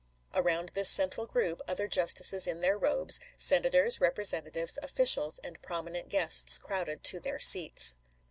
Around this central group other Justices in their robes, Senators, Representatives, officials, and prominent guests crowded to their seats.